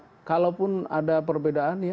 ya kalaupun ada perbedaan